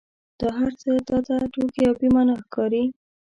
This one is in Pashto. دا هرڅه تا ته ټوکې او بې معنا ښکاري.